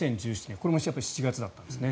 これも７月だったんですね。